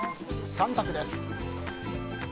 ３択です。